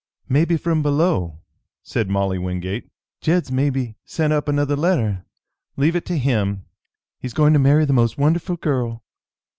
"Maybe from below," said Molly Wingate. "Jed's maybe sent up another letter. Leave it to him, he's going to marry the most wonderful girl!